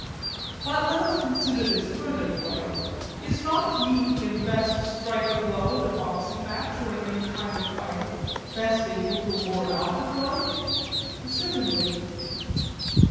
But let us consider this further point: Is not he who can best strike a blow in a boxing match or in any kind of fighting best able to ward off a blow? Certainly.